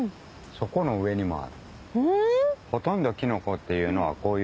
そこの上にもある。